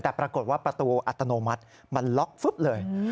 แต่ปรากฏว่าประตูอัตโนมัติมันล็อกฟึ๊บเลย